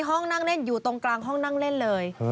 ห้องนั่งเล่นอยู่ตรงกลางห้องนั่งเล่นเลย